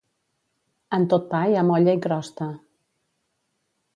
En tot pa hi ha molla i crosta.